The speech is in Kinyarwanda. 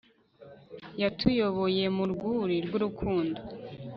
yatuyoboye mu rwuri rw'urukundo